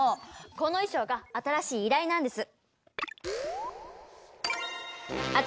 この衣装が新しい依頼なんです。